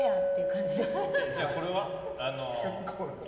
じゃあ、これは？